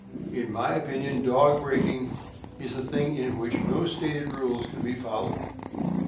In my opinion, dog breaking is a thing in which no stated rules can be followed.